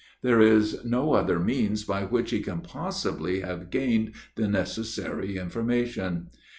There is no other means by which he can possibly have gained the necessary information.